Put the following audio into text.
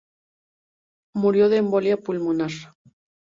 Murió de embolia pulmonar.